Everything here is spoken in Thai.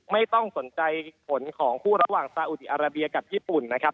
ไม่ต้องสนใจผลของคู่ระหว่างซาอุดีอาราเบียกับญี่ปุ่นนะครับ